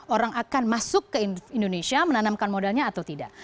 orang akan masuk ke indonesia menanamkan modalnya atau tidak